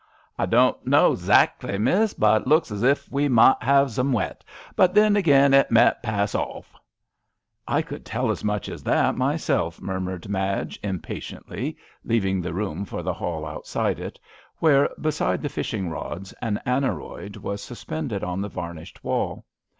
" I doant know *zackly, Miss, but it looks as ef we met have zum wet ; but then again it met pass awf," I could tell as much as that myself," murmured Madge, im patiently leaving the room for the hall outside it, where, beside the fishing rods, an aneroid was suspended on the varnished wall.